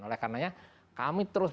oleh karena kami terus